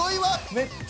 めっちゃ。